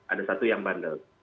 ada satu yang bandel